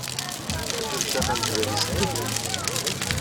Bded tama n tbalizt-nnek.